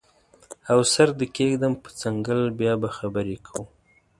او سر دې کیږدم په څنګل بیا به خبرې کوو